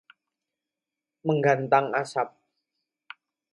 Menggantang asap